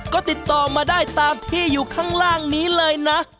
ก็ติดต่อมาได้ตามที่อยู่ข้างล่างนี้เลยนะ